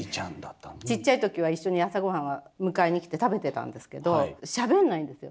ちっちゃい時は一緒に朝ごはんは迎えに来て食べてたんですけどしゃべんないんですよ。